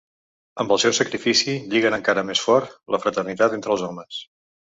Amb el seu sacrifici lliguen encara més fort la fraternitat entre els homes.